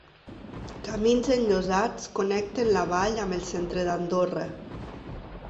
Camins enllosats connecten la vall amb el centre d'Andorra.